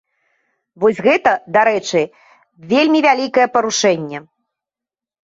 Вось гэта, дарэчы, вельмі вялікае парушэнне.